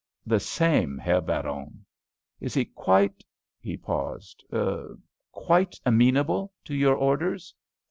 "The same, Herr Baron." "Is he quite"—he paused—"er, quite amenable to your orders?"